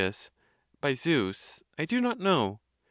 By Zeus, I (do not know).?